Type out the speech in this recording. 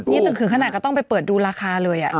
นี่ถึงขนาดก็ต้องไปเปิดดูราคาเลย